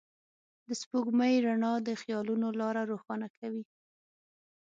د سپوږمۍ رڼا د خيالونو لاره روښانه کوي.